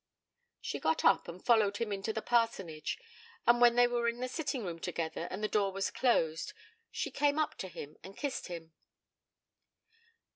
She got up and followed him into the parsonage, and when they were in the sitting room together, and the door was closed, she came up to him and kissed him.